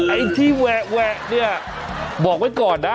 ไอ้ที่แวะเนี่ยบอกไว้ก่อนนะ